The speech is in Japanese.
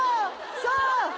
さあ！